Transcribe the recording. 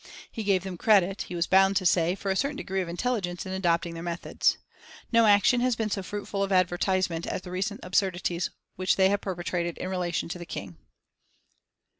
He gave them credit, he was bound to say, for a certain degree of intelligence in adopting their methods. "No action has been so fruitful of advertisement as the recent absurdities which they have perpetrated in relation to the King."